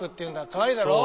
かわいいだろう？